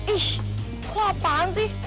ih apaan sih